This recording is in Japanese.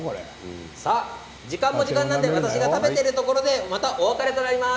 時間も時間なので私が食べているところでお別れとなります。